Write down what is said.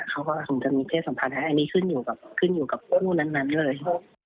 เขาก็คงจะมีเพศสัมพันธ์แล้วอันนี้ขึ้นอยู่กับคู่นั้นเลย